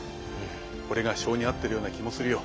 これが性に合ってるような気もするよ。